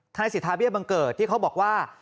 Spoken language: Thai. นายสิทธาเบี้ยบังเกิดที่เขาบอกว่า